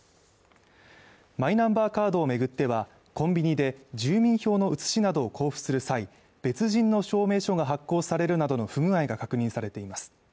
マイナンバーカードを巡っては、コンビニで住民票の写しなどを交付する際、別人の証明書が発行されるなどの不具合が確認されています。